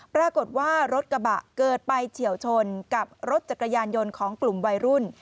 ปรากฏว่ารถกระบะเกิดไปเฉียวชนกับรถจักรยานยนต์ของกลุ่มวัยรุ่น